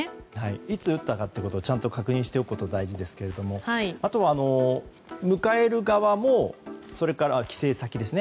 いつ打ったかというのをちゃんと確認しておくことが大事ですが迎える側も帰省先ですね。